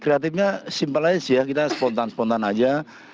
kreatifnya simple aja sih ya kita spontan spontan aja